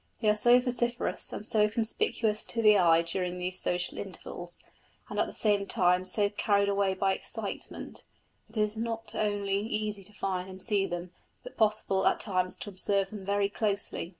They are so vociferous and so conspicuous to the eye during these social intervals, and at the same time so carried away by excitement, that it is not only easy to find and see them, but possible at times to observe them very closely.